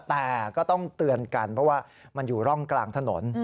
แต่ก็ต้องเตือนกันเพราะว่ามันอยู่ร่องกลางถนน